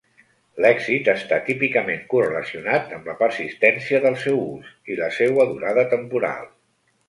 L'èxit està típicament correlacionat amb la persistència del seu ús i la seua durada temporal.